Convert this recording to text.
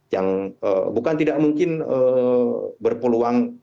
yang bukan tidak mungkin berpeluang